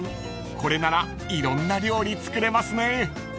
これならいろんな料理作れますね］